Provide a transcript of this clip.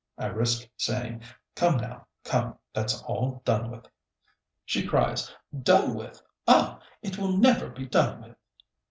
I risk saying, "Come now, come; that's all done with." She cries: "Done with? Ah! it will never be done with!"